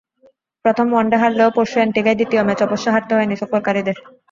প্রথম ওয়ানডে হারলেও পরশু অ্যান্টিগায় দ্বিতীয় ম্যাচ অবশ্য হারতে হয়নি সফরকারীদের।